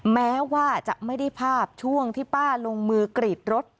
แม้ว่าจะไม่ได้ภาพช่วงที่ป้าลงมือกรีดรถ